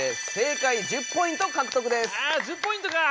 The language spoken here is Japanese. あ１０ポイントか。